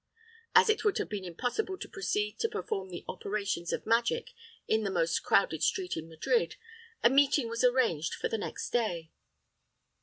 As it would have been impossible to proceed to perform the operations of magic in the most crowded street in Madrid, a meeting was arranged for the next day.